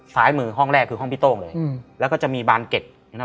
ซ้ายมือห้องแรกคือห้องพี่โต้งเลยอืมแล้วก็จะมีบานเก็ดอย่างนั้น